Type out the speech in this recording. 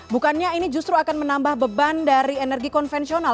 bukannya ini justru akan menambah beban dari energi konvensional